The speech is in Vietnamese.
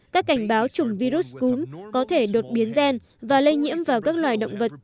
các cảnh báo chủng virus cúm có thể đột biến gen và lây nhiễm vào các loài động vật